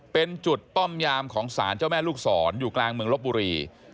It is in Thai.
เป็นจุดป้อมยามของสารเจ้าแม่ลูกศรอยู่กลางเมืองลบบุรี